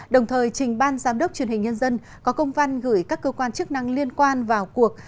đồng thời trình ban giám đốc truyền hình nhân dân có công văn gửi các cơ quan chức năng liên quan vào cuộc